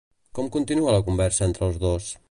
Com continua la conversa entre els dos?